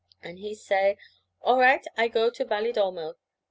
And he say, "All right, I go to Valedolmo."